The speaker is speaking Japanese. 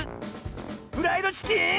フライドチキン⁉